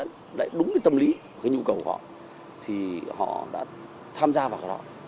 nắm được tình hình có vụ lừa đảo